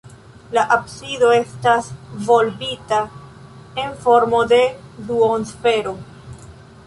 La absido estas volbita en formo de duonsfero.